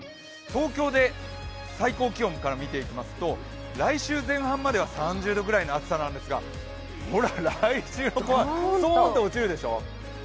東京で最高気温から見ていきますと、来週前半までは３０度くらいの暑さなんですが、来週の後半、ストーンと落ちるでしょ。